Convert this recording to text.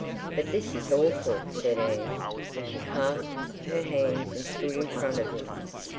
"But this is awful," said Anne. She clasped her hands and stood in front of him.